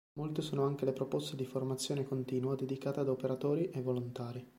Molte sono anche le proposte di formazione continua dedicata ad operatori e volontari.